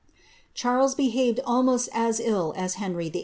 '^ Charles behaved almost as ill as Henry VHl.